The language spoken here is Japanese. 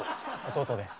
弟です。